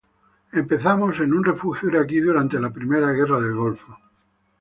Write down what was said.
Empezamos en un refugio iraquí durante la primera Guerra del Golfo.